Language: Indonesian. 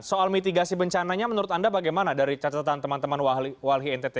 soal mitigasi bencananya menurut anda bagaimana dari catatan teman teman walhi ntt